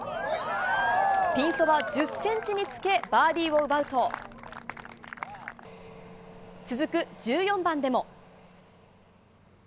ピンそば１０ｃｍにつけバーディーを奪うと続く１４番でも。